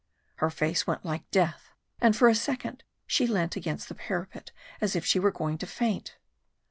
Her face went like death, and for a second she leant against the parapet as if she were going to faint.